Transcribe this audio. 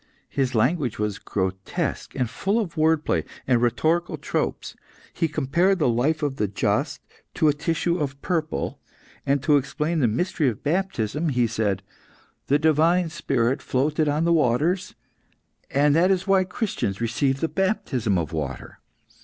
His language was grotesque, and full of word play and rhetorical tropes. He compared the life of the just to a tissue of purple, and to explain the mystery of baptism, he said "The Divine Spirit floated on the waters, and that is why Christians receive the baptism of water.